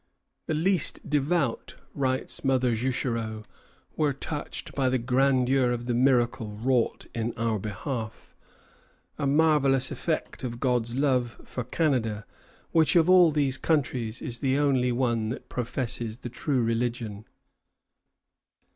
"The least devout," writes Mother Juchereau, "were touched by the grandeur of the miracle wrought in our behalf, a marvellous effect of God's love for Canada, which, of all these countries, is the only one that professes the true religion."